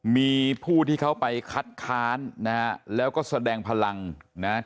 มีผู้ที่เขาไปคัดค้านนะฮะแล้วก็แสดงพลังนะฮะ